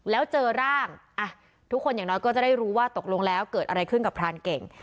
แล้วเจอร่างทุกคนอย่างน้อยก็จะได้รู้ว่าตกลงแล้วเกิดอะไรขึ้นกับพรานเก่ง